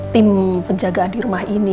tim penjagaan di rumah ini